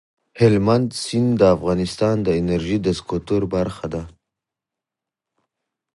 هلمند سیند د افغانستان د انرژۍ د سکتور برخه ده.